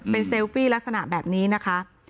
เซลฟี่ลักษณะแบบนี้นะคะ